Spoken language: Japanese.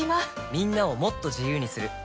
みんなをもっと自由にする「三菱冷蔵庫」